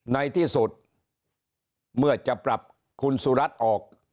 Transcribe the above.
ในที่สุดเมื่อจะปรับคุณสุรัตน์ออก